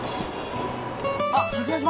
あっ桜島！